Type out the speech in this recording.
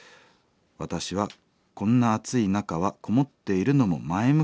私はこんな暑い中はこもっているのも前向きと捉えます。